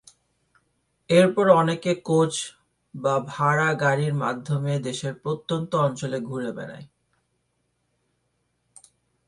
এরপর অনেকে কোচ বা ভাড়া গাড়ির মাধ্যমে দেশের প্রত্যন্ত অঞ্চলে ঘুরে বেড়ায়।